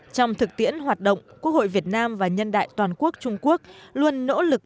trong thực tiễn hoạt động quốc hội việt nam và nhân đại toàn quốc trung quốc luôn nỗ lực